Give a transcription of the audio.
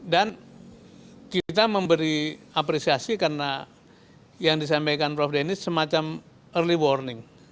dan kita memberi apresiasi karena yang disampaikan prof denny semacam early warning